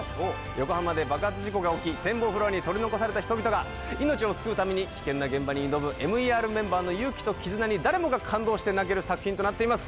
横浜で爆発事故が起き展望フロアに取り残された人々が命を救うために危険な現場に挑むＭＥＲメンバーの勇気と絆に誰もが感動して泣ける作品となっています